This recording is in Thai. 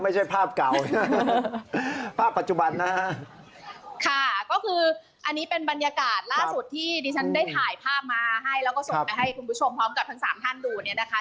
ไม่ใช่ภาพเก่าภาพปัจจุบันนะฮะค่ะก็คืออันนี้เป็นบรรยากาศล่าสุดที่ดิฉันได้ถ่ายภาพมาให้แล้วก็ส่งไปให้คุณผู้ชมพร้อมกับทั้งสามท่านดูเนี่ยนะคะ